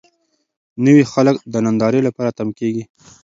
نوي خلک د نندارې لپاره تم کېږي.